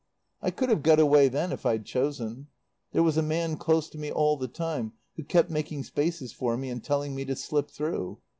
"I could have got away then if I'd chosen. There was a man close to me all the time who kept making spaces for me and telling me to slip through.